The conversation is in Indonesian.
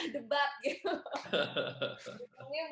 jadi ya debat gitu